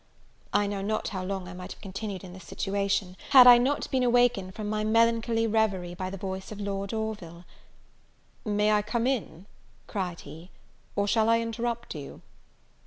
I know not how long I might have continued in this situation, had I not been awakened from my melancholy reverie by the voice of Lord Orville. "May I come in," cried he, "or shall I interrupt you?"